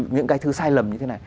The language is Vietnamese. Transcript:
những cái thứ sai lầm như thế này